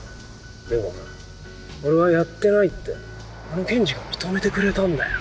でもな俺はやってないってあの検事が認めてくれたんだよ。